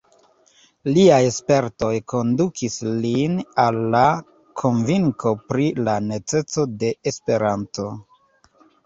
Liaj spertoj kondukis lin al la konvinko pri la neceso de Esperanto.